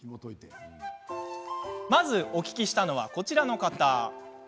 まずお聞きしたのは、こちらの方。